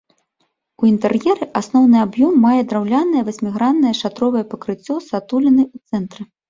У інтэр'еры асноўны аб'ём мае драўлянае васьміграннае шатровае пакрыццё з адтулінай у цэнтры.